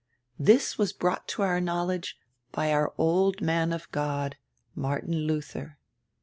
This was brought to our knowledge by our old man of God, Martin Luther.